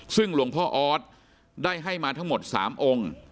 ซึ่งหลวงพ่อออสได้ให้มาทั้งหมด๓องค์